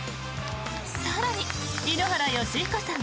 更に、井ノ原快彦さん